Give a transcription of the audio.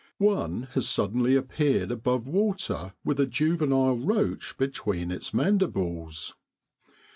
One has suddenly appeared above water with a juvenile roach between its mandibles.